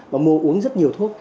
và mua uống rất nhiều thuốc